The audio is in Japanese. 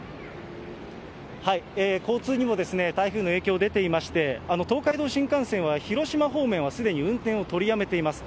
交通にも台風の影響出ていまして、東海道新幹線は広島方面はすでに運転を取りやめています。